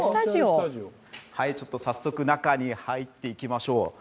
早速中に入っていきましょう。